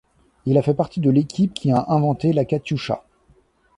Il a fait partie de l'équipe qui a inventé la katioucha.